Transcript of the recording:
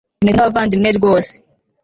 tumeze nkabavandimwe rwose